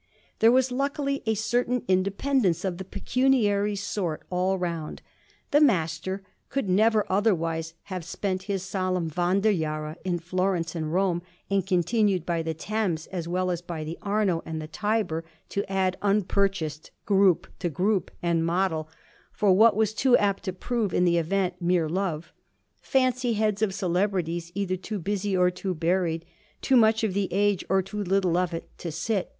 There was luckily a certain independence, of the pecuniary sort, all round: the Master could never otherwise have spent his solemn Wanderjahre in Florence and Rome, and continued by the Thames as well as by the Arno and the Tiber to add unpurchased group to group and model, for what was too apt to prove in the event mere love, fancy heads of celebrities either too busy or too buried too much of the age or too little of it to sit.